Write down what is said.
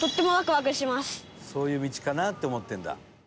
「そういう道かな？って思ってるんだ」